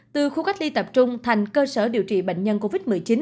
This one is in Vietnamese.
từ khu cách ly tập trung thành cơ sở điều trị bệnh nhân covid một mươi chín